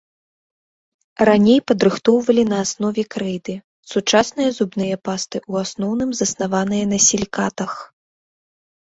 Раней падрыхтоўвалі на аснове крэйды, сучасныя зубныя пасты ў асноўным заснаваныя на сілікатах.